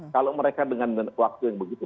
kalau mereka dengan waktu yang begitu